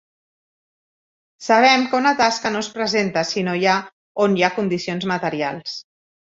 Sabem que una tasca no es presenta sinó allà on hi ha condicions materials.